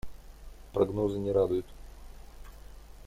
Прогнозы не радуют.